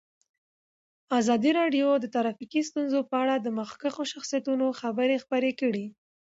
ازادي راډیو د ټرافیکي ستونزې په اړه د مخکښو شخصیتونو خبرې خپرې کړي.